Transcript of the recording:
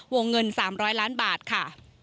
วงเงิน๓๐๐ล้านบาทค่ะ